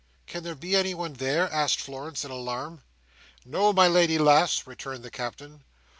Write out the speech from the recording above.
"Can there be anybody there!" asked Florence, in alarm. "No, my lady lass," returned the Captain.